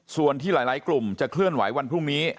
ส่วนที่หลายกลุ่มจะเคลื่อนไหววันพรุ่งนี้